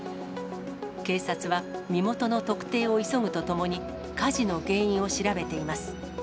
警察は身元の特定を急ぐとともに、火事の原因を調べています。